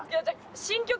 新曲？